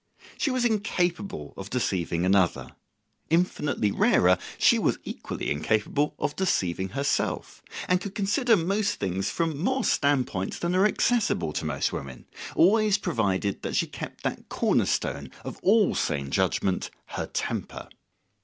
She was incapable of deceiving another; infinitely rarer, she was equally incapable of deceiving herself; and could consider most things from more standpoints than are accessible to most women, always provided that she kept that cornerstone of all sane judgment, her temper.